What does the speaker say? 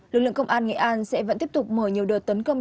lực lượng công an nghệ an sẽ vẫn tiếp tục mở nhiều đợt tấn công